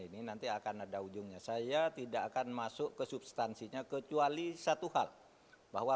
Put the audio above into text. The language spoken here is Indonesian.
ini nanti akan ada ujungnya saya tidak akan masuk ke substansinya kecuali satu hal bahwa